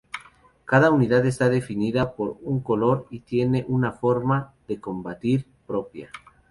Cada unidad está definida por un color y tiene una forma de combatir propia.